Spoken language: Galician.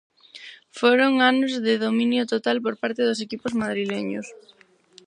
Foron anos de dominio total por parte dos equipos madrileños.